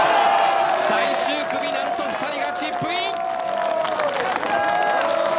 最終組、何と２人がチップイン！